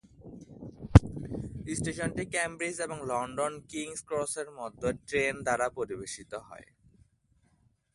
স্টেশনটি ক্যামব্রিজ এবং London King's ক্রসের মধ্যে ট্রেন দ্বারা পরিবেশিত হয়।